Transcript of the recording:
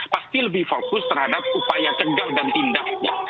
pasti lebih fokus terhadap upaya cegah dan tindaknya